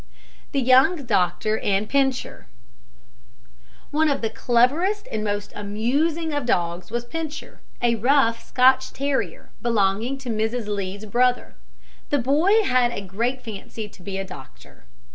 THE YOUNG DOCTOR AND PINCHER. One of the cleverest and most amusing of dogs was Pincher, a rough Scotch terrier, belonging to Mrs Lee's brother. [See Mrs Lee's "Anecdotes of Animals."] The boy had a great fancy to be a doctor.